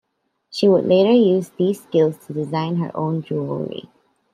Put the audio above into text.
She would later use these skills to design her own jewelry.